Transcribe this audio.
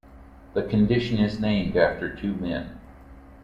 The condition is named after two men.